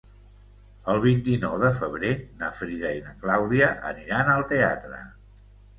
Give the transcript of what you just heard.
El vint-i-nou de febrer na Frida i na Clàudia aniran al teatre.